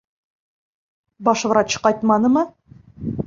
Баш врач ҡайтманымы?